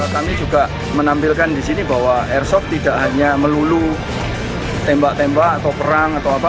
kami juga menampilkan di sini bahwa airsoft tidak hanya melulu tembak tembak atau perang atau apa